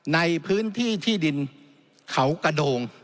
ในพื้นที่ที่ดินเขากระโดง